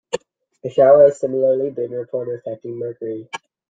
A shower has similarly been reported affecting Mercury.